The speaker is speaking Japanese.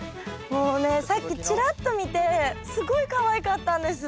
もうねさっきちらっと見てすごいかわいかったんです。